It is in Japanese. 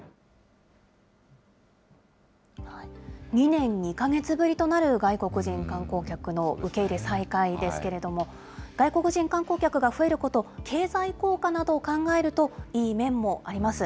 ２年２か月ぶりとなる外国人観光客の受け入れ再開ですけれども、外国人観光客が増えること、経済効果などを考えるといい面もあります。